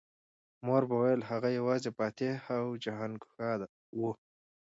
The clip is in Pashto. مور به ویل هغه یوازې فاتح او جهانګشا و